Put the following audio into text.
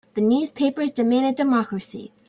The newspapers demanded democracy.